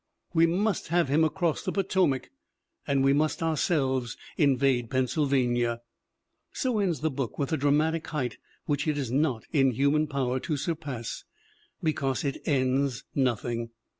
'We must have him across the Potomac, and we must ourselves invade Pennsylvania/ ' So ends the book with a dramatic height which it is not in human power to surpass because it ends noth ing.